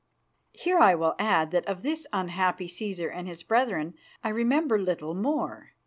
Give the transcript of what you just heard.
Here I will add that of this unhappy Cæsar and his brethren I remember little more.